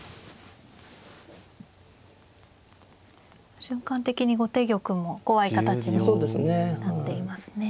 瞬間的に後手玉も怖い形になっていますね。